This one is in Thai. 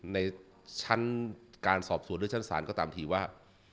ในชั้นการสอบสวนด้วยชั้นศาลก็ตามทีว่า